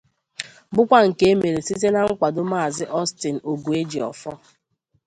bụkwà nke e mere site na nkwàdo Maazị Austin Oguejiofor